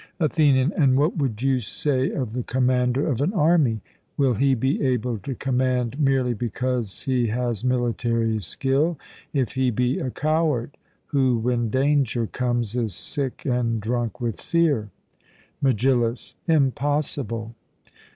ATHENIAN: And what would you say of the commander of an army? Will he be able to command merely because he has military skill if he be a coward, who, when danger comes, is sick and drunk with fear? MEGILLUS: Impossible.